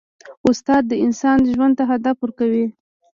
استاد د انسان ژوند ته هدف ورکوي.